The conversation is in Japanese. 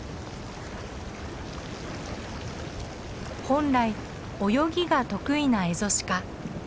本来泳ぎが得意なエゾシカ。